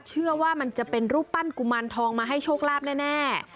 เชื่อว่ามันจะเป็นรูปปั้นกุมารทองมาให้โชคลาภแน่